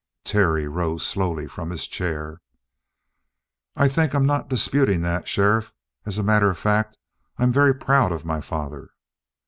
Terry rose slowly from his chair. "I think I'm not disputing that, sheriff. As a matter of fact, I'm very proud of my father."